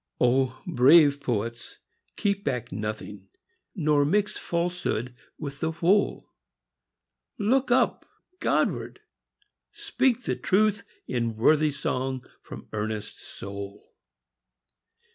O brave poets, keep back nothing ; Nor mix falsehood with the whole ! Look up Godward! speak the truth in Worthy song from earnest soul